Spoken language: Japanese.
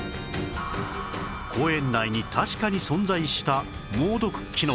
公園内に確かに存在した猛毒キノコ